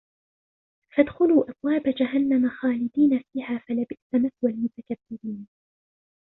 فَادْخُلُوا أَبْوَابَ جَهَنَّمَ خَالِدِينَ فِيهَا فَلَبِئْسَ مَثْوَى الْمُتَكَبِّرِينَ